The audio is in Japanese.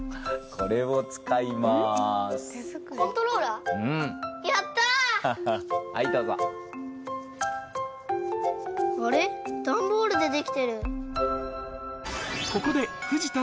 これを使いまーす。